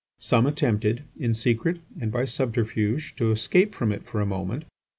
Some attempted, in secret and by subterfuge, to escape from it for a moment.